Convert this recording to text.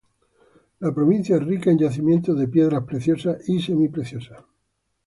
La provincia es rica en yacimientos de piedras preciosas y semipreciosas.